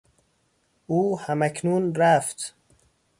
او هماکنون رفت.